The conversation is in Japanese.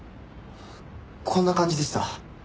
こんな感じでした。